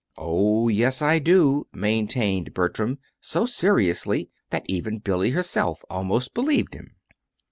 "Oh, yes, I do," maintained Bertram so seriously that even Billy herself almost believed him.